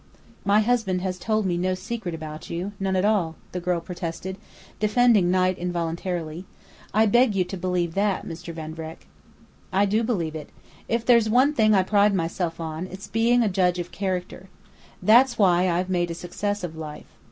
"My husband has told me no secret about you, none at all," the girl protested, defending Knight involuntarily. "I beg you to believe that, Mr. Van Vreck." "I do believe it. If there's one thing I pride myself on, it's being a judge of character. That's why I've made a success of life.